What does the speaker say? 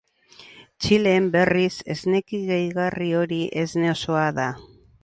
Txilen, berriz, esneki gehigarri hori, esne osoa da.